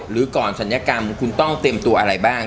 หรือก่อนศัลยกรรมคุณต้องเตรียมตัวอะไรบ้าง